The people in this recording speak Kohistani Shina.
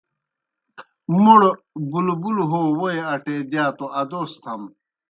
موْڑ بُبُلوْ ہو ووئی اٹے دِیا توْ ادوس تھم۔